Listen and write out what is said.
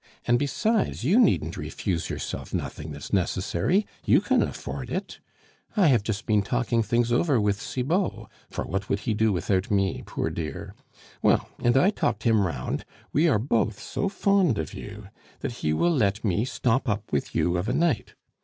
and besides, you needn't refuse yourself nothing that's necessary, you can afford it. I have just been talking things over with Cibot, for what would he do without me, poor dear? Well, and I talked him round; we are both so fond of you, that he will let me stop up with you of a night.